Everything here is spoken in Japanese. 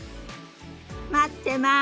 待ってます。